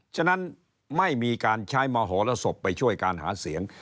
ฉะนั้นไม่มีการใช้มโหรสบไปช่วยการหาเสียง